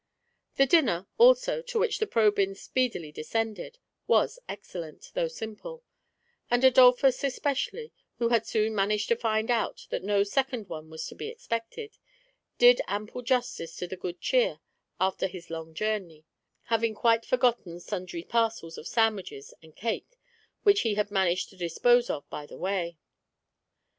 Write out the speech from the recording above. The dinner, also, to which the Probjms speedily de scended, was excellent, though simple; and Adolphus especially, who had soon managed to find out that no second one was to be expected, did ample justice to the good cheer after his long journey, having quite forgotten sundry parcels of sandwiches and cake which he had managed to dispose of by the way.